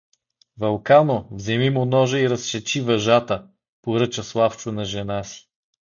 — Вълкано, вземи му ножа и разсечи въжата — поръча Славчо на жена си.